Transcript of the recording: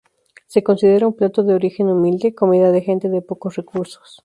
Se considera un plato de origen humilde, comida de gente de pocos recursos.